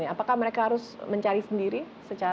jadi apa yang harus mencari sendiri secara